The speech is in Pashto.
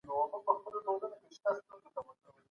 د ايــشـارو په ايـشــاره كـــي ژونـــــدون